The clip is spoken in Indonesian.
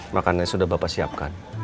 makanan sudah bapak siapkan